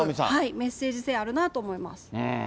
メッセージ性あるなと思います。